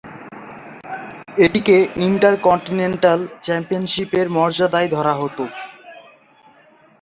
এটিকে ইন্টারকন্টিনেন্টাল চ্যাম্পিয়নশিপের মর্যাদায় ধরা হতো।